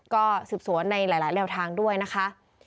ก็สืบสวนในหลายแนวทางด้วยนะคะ